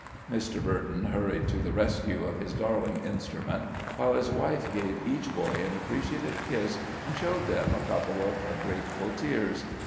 Mr. Burton hurried to the rescue of his darling instrument while his wife gave each boy an appreciative kiss, and showed them a couple of grateful tears.